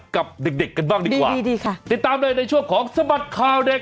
กับเด็กเด็กกันบ้างดีกว่าดีดีค่ะติดตามเลยในช่วงของสบัดข่าวเด็ก